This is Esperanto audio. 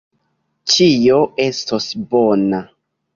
Ĉio estos bona.